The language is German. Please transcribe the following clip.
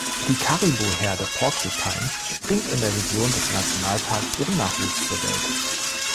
Die Karibu-Herde "Porcupine" bringt in der Region des Nationalparks ihren Nachwuchs zur Welt.